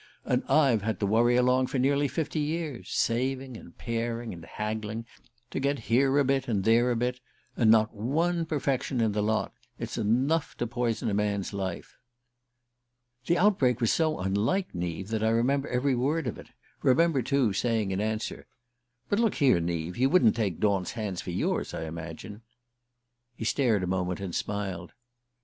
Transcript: And I've had to worry along for nearly fifty years, saving and paring, and haggling and intriguing, to get here a bit and there a bit and not one perfection in the lot! It's enough to poison a man's life." The outbreak was so unlike Neave that I remember every word of it: remember, too, saying in answer: "But, look here, Neave, you wouldn't take Daunt's hands for yours, I imagine?" He stared a moment and smiled.